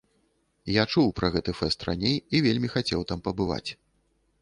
Я чуў пра гэты фэст раней і вельмі хацеў там пабываць.